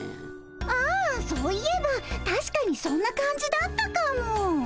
ああそういえばたしかにそんな感じだったかも。